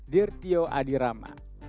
dear tio adirama